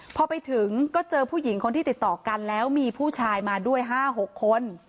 พอไปถึงก็เจอผู้หญิงคนที่ติดต่อกันแล้วมีผู้ชายมาด้วย๕๖คน